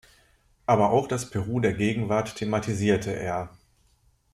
Aber auch das Peru der Gegenwart thematisierte er.